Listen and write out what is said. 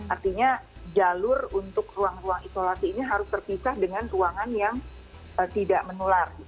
artinya jalur untuk ruang ruang isolasi ini harus terpisah dengan ruangan yang tidak menular